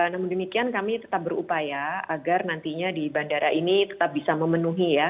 namun demikian kami tetap berupaya agar nantinya di bandara ini tetap bisa memenuhi ya